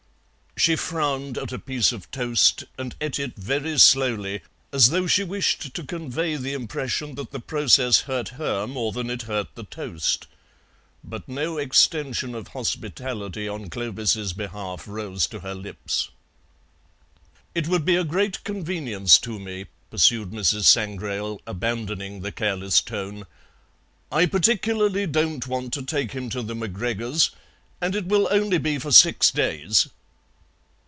She frowned at a piece of toast and ate it very slowly, as though she wished to convey the impression that the process hurt her more than it hurt the toast; but no extension of hospitality on Clovis's behalf rose to her lips. "It would be a great convenience to me," pursued Mrs. Sangrail, abandoning the careless tone. "I particularly don't want to take him to the MacGregors', and it will only be for six days."